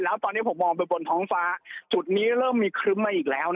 แล้วตอนนี้ผมมองไปบนท้องฟ้าจุดนี้เริ่มมีครึ้มมาอีกแล้ว